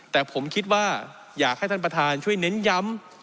แต่ผมคิดว่าอยากให้ท่านประธานช่วยเน้นย้ำ